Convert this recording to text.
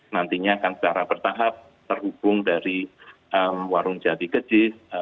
nantinya akan secara bertahap terhubung dari warung jati keji